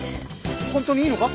本当にいいのか？